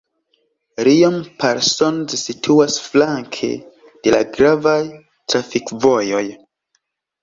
Riom-Parsonz situas flanke de la gravaj trafikvojoj.